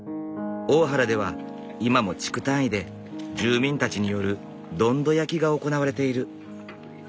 大原では今も地区単位で住民たちによるどんど焼きが行われている。